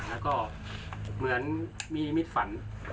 แล้วก็เหมือนมีนิมิตฝัน